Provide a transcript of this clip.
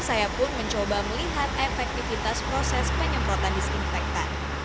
saya pun mencoba melihat efektivitas proses penyemprotan disinfektan